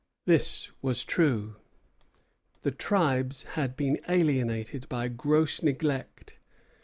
This was true; the tribes had been alienated by gross neglect.